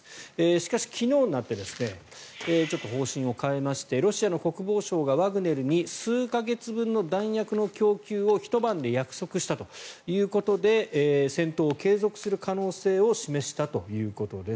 しかし、昨日になってちょっと方針を変えましてロシアの国防省がワグネルに数か月分の弾薬の供給をひと晩で約束したということで戦闘を継続する可能性を示したということです。